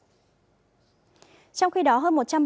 trong khi đó hơn một trăm ba mươi người vẫn chưa được tìm kiếm và cứu hộ